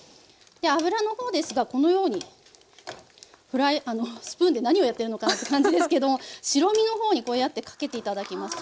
油の方ですがこのようにあのスプーンで何をやってるのかなって感じですけども白身の方にこうやってかけて頂きます。